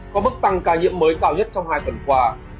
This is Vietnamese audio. có mức tăng ca nhiễm mới cao nhất trong hai tuần qua